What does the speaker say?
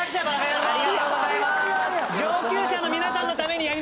ありがとうございます。